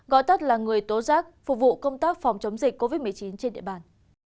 gọi tắt là người tố giác phục vụ công tác phòng chống dịch covid một mươi chín trên địa bàn